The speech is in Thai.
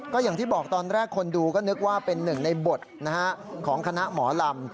ก็อย่างที่บอกตอนแรกคนดูก็นึกว่าเป็นหนึ่งในบทของคณะหมอลำ